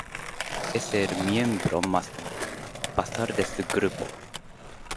Es el miembro más basal de su grupo.